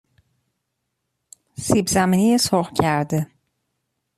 سیبزمینی سرخ کرده